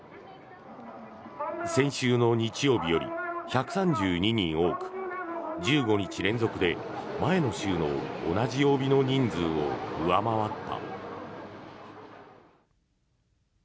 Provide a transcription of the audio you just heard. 先週の日曜日より１３２人多く１５日連続で前の週の同じ曜日の人数を上回った。